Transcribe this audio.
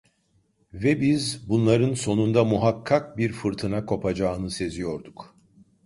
Ve biz, bunların sonunda muhakkak bir fırtına kopacağını seziyorduk.